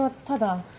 「ただ」